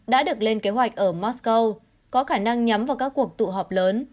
đã được lên kế hoạch ở mosco có khả năng nhắm vào các cuộc tụ họp lớn